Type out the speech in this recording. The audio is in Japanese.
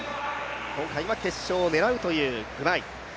今回は決勝を狙うというグバイ。